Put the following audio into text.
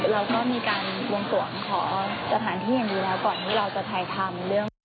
เราก็มีการวงส่วนขอสถานที่อย่างดีแล้วก่อนที่เราจะถ่ายธรรม